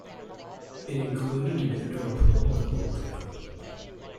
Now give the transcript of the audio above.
It included an indoor pool and bowling alley.